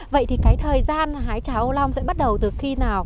vậy thì cái thời gian hái trà ô long sẽ bắt đầu từ khi nào